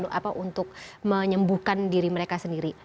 untuk menyembuhkan diri mereka sendiri